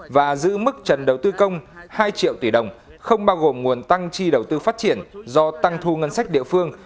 và giữ mức trần đầu tư công hai triệu tỷ đồng không bao gồm nguồn tăng chi đầu tư phát triển do tăng thu ngân sách địa phương